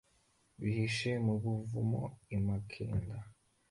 bihishe mu buvumo i makeda